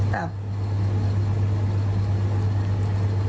แต่ว่า